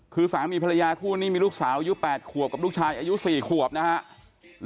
คือสามีภรรยาคู่นี้มีลูกสาวอายุ๘ขวบกับลูกชายอายุ๔ขวบนะครับ